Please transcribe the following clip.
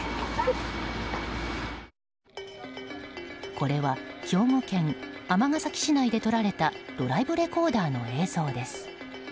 これは兵庫県尼崎市内で撮られたドライブレコーダーの映像です。